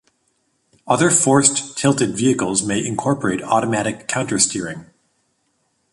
Other forced-tilted vehicles may incorporate automatic countersteering.